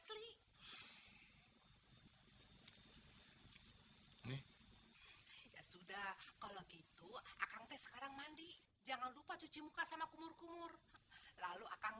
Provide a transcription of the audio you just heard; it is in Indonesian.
sudah kalau gitu aku sekarang mandi jangan lupa cuci muka sama kumur kumur lalu akan